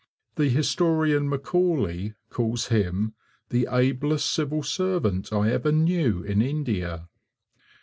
The historian Macaulay calls him 'the ablest civil servant I ever knew in India.'